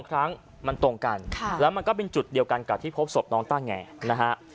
ครั้งมันตรงกันแล้วมันก็เป็นจุดเดียวกันกับที่พบศพน้องต้าแงนะฮะ